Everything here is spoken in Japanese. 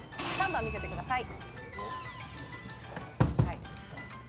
３番見せてください。